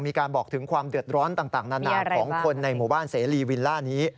มีการบอกถึงความเดือดร้อนต่างนานาของคนในหมู่บ้านเสรีวิลล่านี้